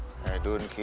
dolomake apa yang lagi